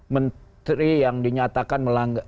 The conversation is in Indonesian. menteri yang dinyatakan